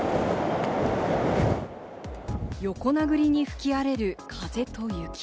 横殴りに吹き荒れる風と雪。